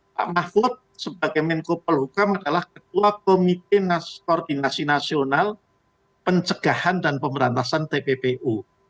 pak mahfud sebagai menko pelukam adalah ketua komite koordinasi nasional pencegahan dan pemberantasan tppu